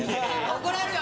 怒られるよ！